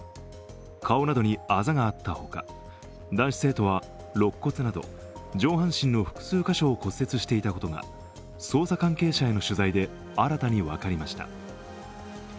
顔などにあざがあったほか、男子生徒はろっ骨など上半身の複数箇所を骨折していたことが捜査関係者への取材で新たに分かりました。